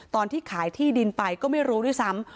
ตอนที่ขายที่ดินไปก็ไม่รู้ด้วยซ้ำ